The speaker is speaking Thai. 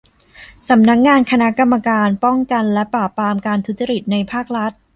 สำนักงานคณะกรรมการป้องกันและปราบปรามการทุจริตในภาครัฐ